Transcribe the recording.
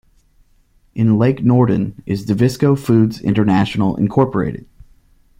In Lake Norden is Davisco Foods International Incorporated.